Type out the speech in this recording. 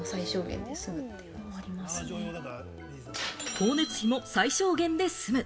光熱費も最小限で済む。